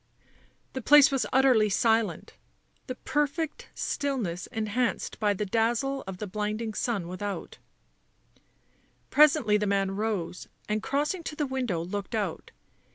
The place was utterly silent, the perfect stillness enhanced by the dazzle of the blinding sun without ; presently the man rose and, crossing to the window, looked out.